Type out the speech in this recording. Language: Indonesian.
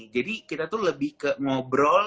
jadi kita tuh lebih ke ngobrol